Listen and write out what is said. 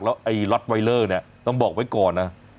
แล้วไอรอตไตรเรอเนี่ยต้องบอกไว้ก่อนนั้น